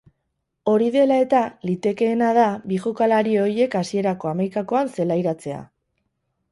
Hori dela eta, litekeena da bi jokalari horiek hasierako hamaikakoan zelairatzea.